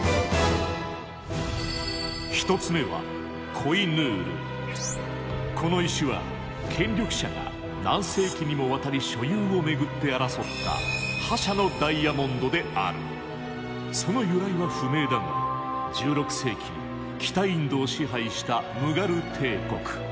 １つ目はこの石は権力者が何世紀にもわたり所有を巡って争ったその由来は不明だが１６世紀北インドを支配したムガル帝国。